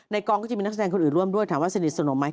กองก็จะมีนักแสดงคนอื่นร่วมด้วยถามว่าสนิทสนมไหม